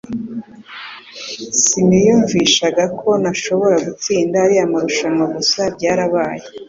simiyumvishaga ko nashobora gutsinda ariya marushanwa gusa byarabaye